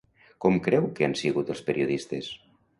Com creu que han sigut els periodistes?